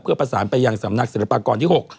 เพื่อประสานไปยังสำนักศิลปากรที่๖